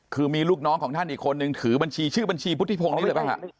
คือมีลูกน้องของท่านอีกคนนึงถือบัญชีชื่อบัญชีพุทธิพงศ์นี้เลยบ้างฮะ